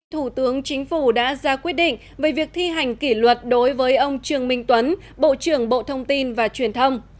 thủ tướng chính phủ đã ra quyết định về việc thi hành kỷ luật đối với ông trường minh tuấn bộ trưởng bộ thông tin và truyền thông